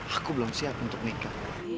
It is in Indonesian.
aku belum siap untuk nekat